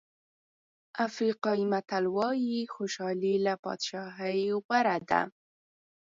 افریقایي متل وایي خوشالي له بادشاهۍ غوره ده.